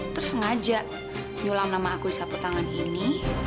terus sengaja nyulam nama aku di sapu tangan ini